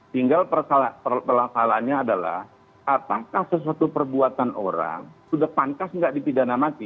tinggal persalahannya adalah apakah sesuatu perbuatan orang sudah pangkas tidak dipindahkan mati